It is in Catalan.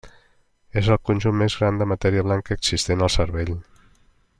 És el conjunt més gran de matèria blanca existent al cervell.